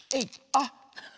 あっ。